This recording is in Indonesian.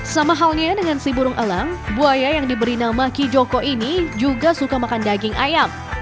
sama halnya dengan si burung elang buaya yang diberi nama kijoko ini juga suka makan daging ayam